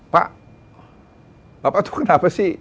pak bapak itu kenapa sih